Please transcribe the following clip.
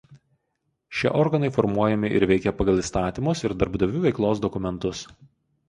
Šie organai formuojami ir veikia pagal įstatymus ir darbdavių veiklos dokumentus.